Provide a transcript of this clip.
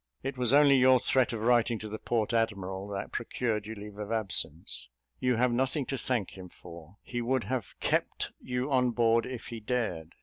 It was only your threat of writing to the port admiral that procured you leave of absence. You have nothing to thank him for: he would have kept you on board if he dared.